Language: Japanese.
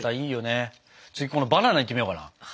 次このバナナいってみようかな。